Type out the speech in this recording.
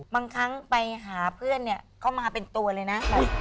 บางครั้งไปหาเพื่อนเนี่ยเข้ามาเป็นตัวเลยนะ